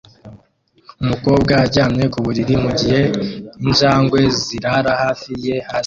Umukobwa aryamye ku buriri mu gihe injangwe zirara hafi ye hasi